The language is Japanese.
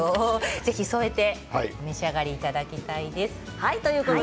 ぜひ添えてお召し上がりいただきたいです。